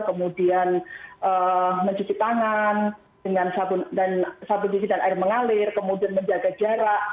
kemudian mencuci tangan dengan sabu gigi dan air mengalir kemudian menjaga jarak